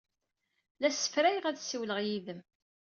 La ssefrayeɣ ad ssiwleɣ yid-m.